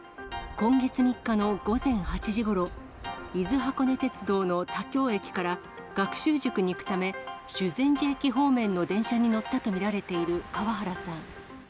今月３日の午前８時ごろ、伊豆箱根鉄道の田京駅から、学習塾に行くため、修善寺駅方面の電車に乗ったと見られている川原さん。